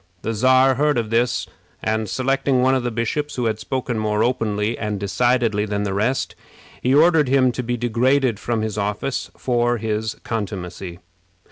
The Czar heard of this; and, selecting one of the bishops, who had spoken more openly and decidedly than the rest, he ordered him to be degraded from his office for his contumacy.